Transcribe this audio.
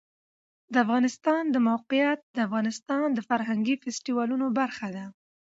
د افغانستان د موقعیت د افغانستان د فرهنګي فستیوالونو برخه ده.